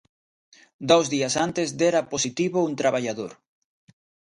Dous días antes dera positivo un traballador.